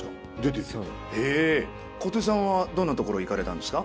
小手さんはどんな所行かれたんですか？